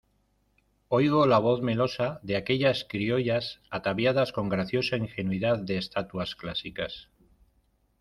oigo la voz melosa de aquellas criollas ataviadas con graciosa ingenuidad de estatuas clásicas